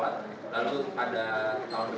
lalu pada tahun depan sebenarnya akan menjadi pol